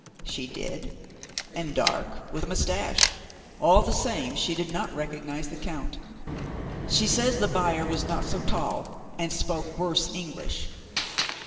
"She did, and dark, with a moustache. All the same, she did not recognise the Count. She says the buyer was not so tall, and spoke worse English."